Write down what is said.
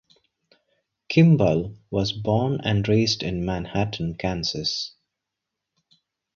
Kimball was born and raised in Manhattan, Kansas.